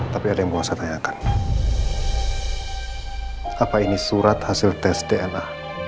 tapi ada yang mau saya tanyakan apa ini surat hasil tes dna